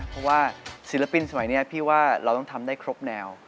เพราะว่าศิลปินสมัยนี้พี่ว่าเราต้องทำได้ครบแนว